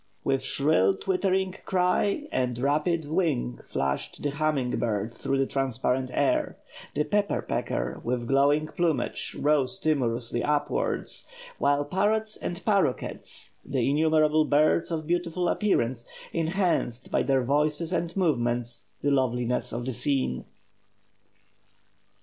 With shrill twittering cry and rapid wing flashed the humming bird through the transparent air; the pepper pecker, with glowing plumage, rose timorously upwards; while parrots and parroquets, and innumerable birds of beautiful appearance, enhanced, by their voices and movements, the loveliness of the scene.